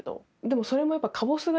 でもそれもやっぱ。